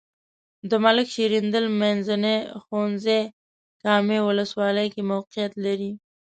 د ملک شیریندل منځنی ښونځی کامې ولسوالۍ کې موقعیت لري.